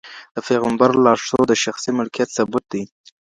د پيغمبر لارښوود د شخصي ملکيت ثبوت دی.